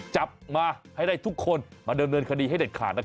จับมาให้ได้ทุกคนมาดำเนินคดีให้เด็ดขาด